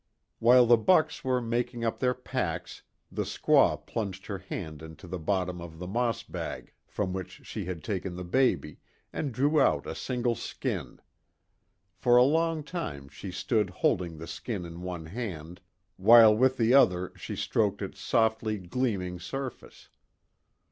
While the bucks were making up their packs the squaw plunged her hand into the bottom of the moss bag from which she had taken the baby, and drew out a single skin. For a long time she stood holding the skin in one hand while with the other she stroked its softly gleaming surface.